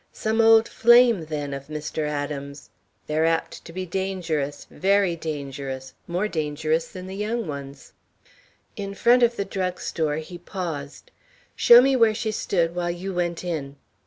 "Some old flame, then, of Mr. Adams; they're apt to be dangerous, very dangerous, more dangerous than the young ones." In front of the drug store he paused. "Show me where she stood while you went in."